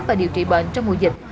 và điều trị bệnh trong mùa dịch